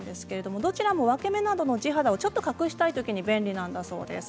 どちらも分け目などの地肌をちょっと隠したいときに便利なんだそうです。